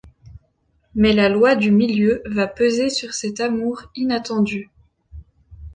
Mais la loi du Milieu va peser sur cet amour inattendu.